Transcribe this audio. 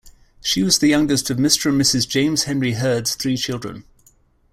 She was the youngest of Mr and Mrs James Henry Hird's three children.